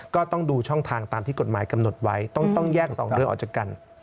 ก็ต้องดูช่องทางตามที่กฎหมายกำหนดไว้ต้องแยก๒เรื่องออกจากกัน